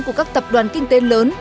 của các tập đoàn kinh tế lớn